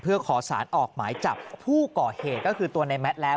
เพื่อขอสารออกหมายจับผู้ก่อเหตุก็คือตัวในแมทแล้ว